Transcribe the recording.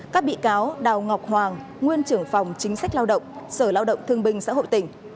các bị cáo đào ngọc hoàng nguyên trưởng phòng chính sách lao động sở lao động thương binh xã hội tỉnh